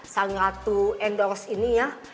sangat to endorse ini ya